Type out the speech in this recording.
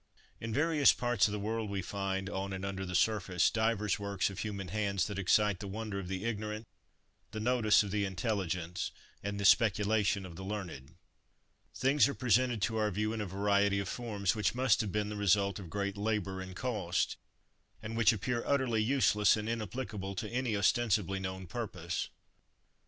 In various parts of the world we find, on and under the surface, divers works of human hands that excite the wonder of the ignorant, the notice of the intelligent, and the speculation of the learned. Things are presented to our view, in a variety of forms, which must have been the result of great labour and cost, and which appear utterly useless and inapplicable to any ostensibly known purpose.